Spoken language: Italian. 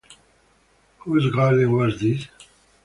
Whose Garden Was This?